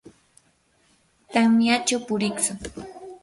tamyachaw puriitsu.